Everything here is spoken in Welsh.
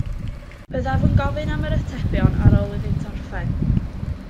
Byddaf yn gofyn am yr atebion ar ôl iddynt orffen.